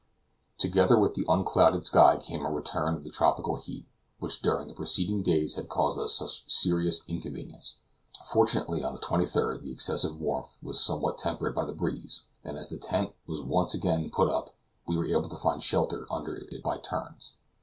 Together with the unclouded sky came a return of the tropical heat, which during the preceding days had caused us such serious inconvenience; fortunately on the 23d the excessive warmth was somewhat tempered by the breeze, and as the tent was once again put up, we were able to find shelter under it by turns.